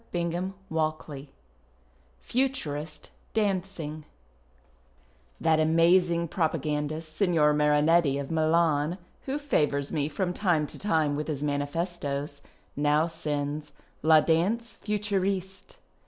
2a 1 FUTURIST DANCING That amazing propagandist, Signer Marinctti, of Milan, who favours me from time to time witli his manifestos, now sends " La Uanse Futuriste."